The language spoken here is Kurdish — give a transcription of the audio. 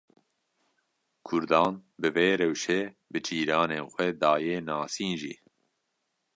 Kurdan bi vê rewşê bi cîranên xwe daye nasîn jî.